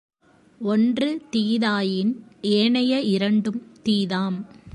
ஒன்று தீதாயின், ஏனைய இரண்டும் தீதாம்.